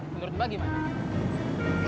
menurut mbak gimana